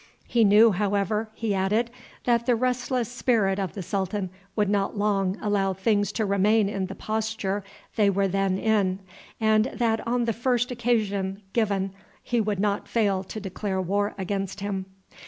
He knew, however, he added, that the restless spirit of the sultan would not long allow things to remain in the posture they were then in, and that on the first occasion given he would not fail to declare war against him.